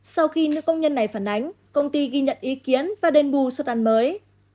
sau khi nữ công nhân này phản ánh công ty ghi nhận ý kiến và đền bù suất ăn mới